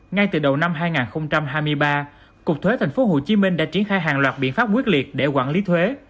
ngay từ đầu năm hai nghìn hai mươi ba cục thuế tp hcm đã triển khai hàng loạt biện pháp quyết liệt để quản lý thuế